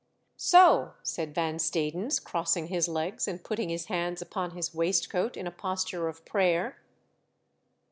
" So," said Van Stadens, crossing his legs and putting his hands upon his waistcoat in a posture of prayer.